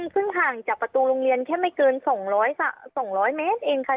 ซึ่งห่างจากประตูโรงเรียนแค่ไม่เกิน๒๐๐เมตรเองค่ะ